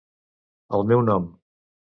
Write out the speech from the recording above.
El meu nom